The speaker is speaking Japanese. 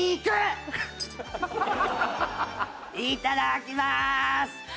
いただきます！